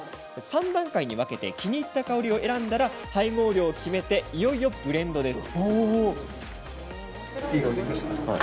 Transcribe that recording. ３段階に分けて気に入った香りを選んだら配合量を決めていよいよブレンドです。